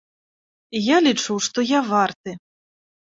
Я лічу, што я варты.